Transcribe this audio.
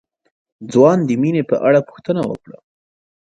ځوان د مينې په اړه پوښتنه وکړه.